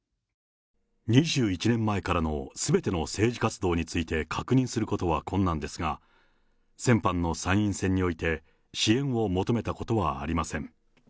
２１年前からのすべての政治活動について確認することは困難ですが、先般の参院選において、支援を求めたことはありません。